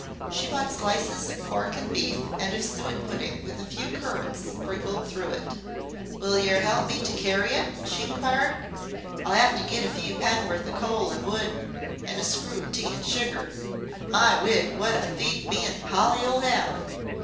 She bought slices of pork and beef, and of suet pudding with a few currants sprinkled through it. "Will yer 'elp me to carry it?" she inquired. "I'll 'ave to get a few pen'worth o' coal an' wood an' a screw o' tea an' sugar. My wig, wot a feed me an' Polly'll 'ave!"